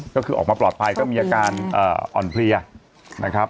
ก็คือออกมาปลอดภัยก็มีอาการอ่อนเพลียนะครับ